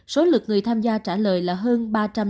số lực người tham gia trả lời là hơn ba trăm tám mươi bảy